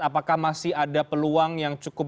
apakah masih ada peluang yang cukup